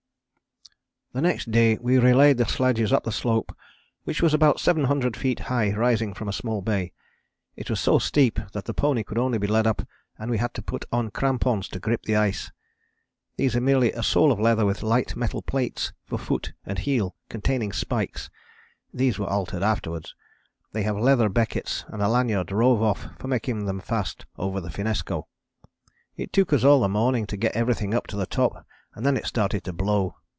"The next day we relayed the sledges up the slope which was about 700 feet high rising from a small bay. It was so steep that the pony could only be led up and we had to put on crampons to grip the ice. These are merely a sole of leather with light metal plates for foot and heel containing spikes. [These were altered afterwards.] They have leather beckets and a lanyard rove off for making them fast over the finnesko. It took us all the morning to get everything up to the top and then it started to blow.